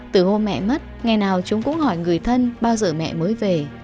từ hôm mẹ mất ngày nào chúng cũng hỏi người thân bao giờ mẹ mới về